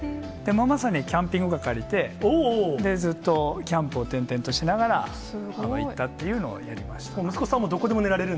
まさにキャンピングカー借りて、ずっとキャンプを転々としながら、息子さんもどこでも寝られる